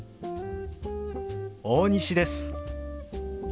大西です。